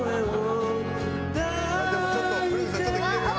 でもちょっと堀口さんちょっときてるよ。